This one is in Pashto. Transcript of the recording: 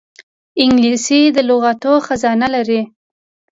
انګلیسي د لغاتو خزانه لري